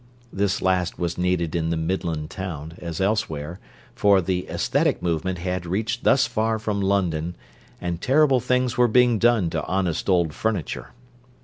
This last was needed in the Midland town, as elsewhere, for the "aesthetic movement" had reached thus far from London, and terrible things were being done to honest old furniture.